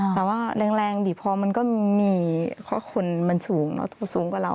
แต่ว่าแรงบีบคอมันก็มีเพราะคนมันสูงสูงกว่าเรา